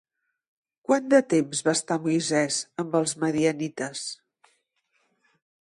Quant de temps va estar Moisès amb els madianites?